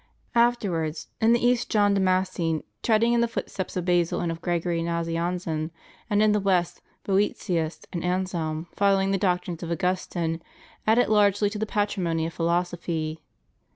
Afterwards, in the East John Dama scene treading in the footsteps of Basil and of Gregory' Nazianzen, and in the West Boetius and Ansehn following the doctrines of Augustine, added largely to the patrimony of philosophy.